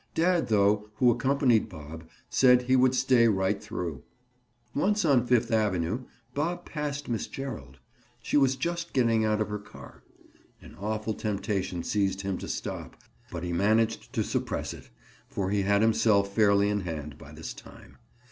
Dad though, who accompanied Bob, said he would stay right through. Once on Fifth Avenue, Bob passed Miss Gerald; she was just getting out of her car. An awful temptation seized him to stop, but he managed to suppress it, for he had himself fairly in hand by this time.